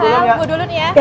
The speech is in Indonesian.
sel gue dulun ya